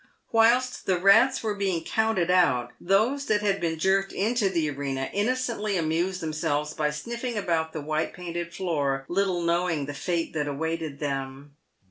Whilst the rats were being counted out, those that had been jerked into the arena innocently amused themselves by sniffing about the white painted floor, little knowing the fate that awaited them.